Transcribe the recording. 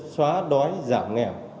xóa đói giảm nghèo